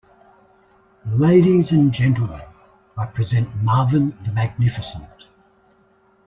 Ladies and gentlemen, I present Marvin the magnificent.